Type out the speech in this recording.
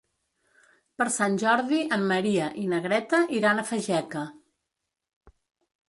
Per Sant Jordi en Maria i na Greta iran a Fageca.